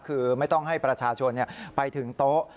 คือไม่ต้องให้ประชาชนไปถึงโต๊ะ